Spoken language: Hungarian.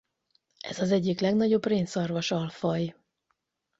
Ez az egyik legnagyobb rénszarvas alfaj.